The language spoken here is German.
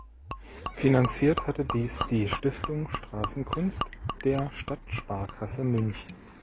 Finanziert hatte dies die Stiftung Straßenkunst der Stadtsparkasse München.